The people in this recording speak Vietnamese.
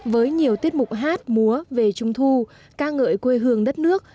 với nhiều tiết mục hát múa về trung thu ca ngợi quê hương đất nước